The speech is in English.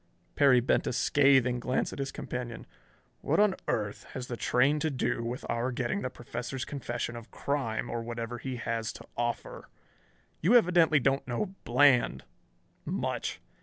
Perry bent a scathing glance at his companion. "What on earth has the train to do with our getting the Professor's confession of crime or whatever he has to offer? You evidently don't know Bland much.